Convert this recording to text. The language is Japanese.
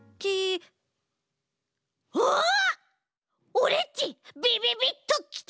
オレっちびびびっときた！